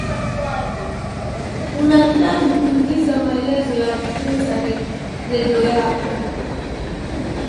unahitaji kuingiza maelezo ya kituo cha redio yako